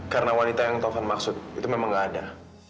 karena wanita yang taufan maksud itu memang nggak ada